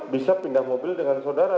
bisa pindah mobil dengan saudara